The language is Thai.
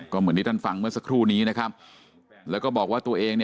ก็เหมือนที่ท่านฟังเมื่อสักครู่นี้นะครับแล้วก็บอกว่าตัวเอง